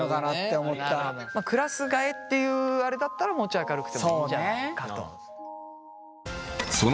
クラス替えっていうあれだったらもうちょい明るくてもいいんじゃないかと。